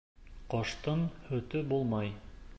Ҡоштоң һөтө булмай.